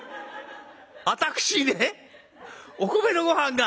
私ねお米のごはんがあるって」。